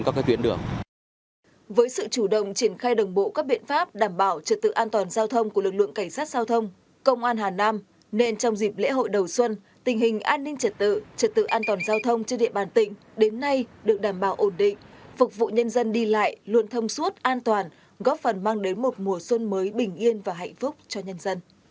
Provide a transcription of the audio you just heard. cảnh sát giao thông công an tỉnh lâm đồng